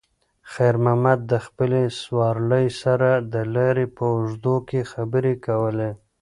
خیر محمد د خپلې سوارلۍ سره د لارې په اوږدو کې خبرې کولې.